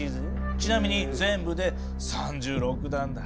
ちなみに全部で３６段だ。